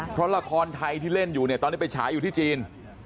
เพราะละครไทยที่เล่นอยู่เนี่ยตอนนี้ไปฉายอยู่ที่จีน